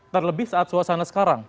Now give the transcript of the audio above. terlebih saat suasana sekarang